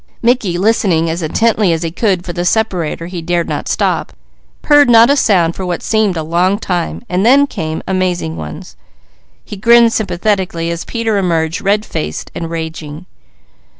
Mickey listened as intently as he could for the separator he dared not stop, heard not a sound for what seemed a long time, and then came amazing ones. He grinned sympathetically as Peter emerged red faced and raging.